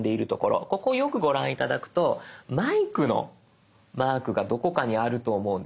ここをよくご覧頂くとマイクのマークがどこかにあると思うんです。